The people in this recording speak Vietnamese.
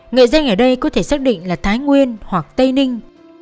nghệ dân ở đây có thể xác định là thái nguyên hoặc tây ninh